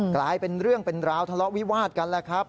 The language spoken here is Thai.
กลายเป็นเรื่องเป็นราวทะเลาะวิวาดกันแล้วครับ